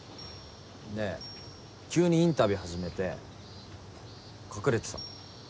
で急にインタビュー始めて隠れてた。